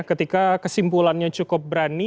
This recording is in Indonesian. ketika kesimpulannya cukup berani